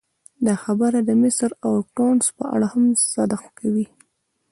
دا خبره د مصر او ټونس په اړه هم صدق کوي.